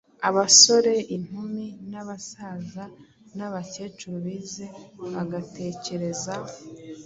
abasore, inkumi n’abasaza n’abakecuru, bize, bagatekereza